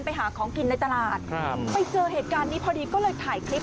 ไปหาของกินในตลาดครับไปเจอเหตุการณ์นี้พอดีก็เลยถ่ายคลิป